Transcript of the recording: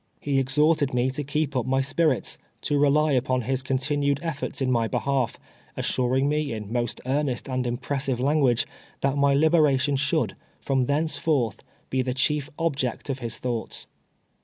He exhorted me to keep up my spirits — to rely upon his continued eftbrts in ni}' behalf, assuring me, in most earnest and impres sive language, that my liberation should, from thence forth, be the chief object of his thoughts.